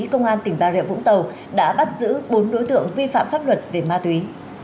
công an tỉnh bà rịa vũng tàu đã bắt giữ bốn đối tượng vi phạm pháp luật về ma túy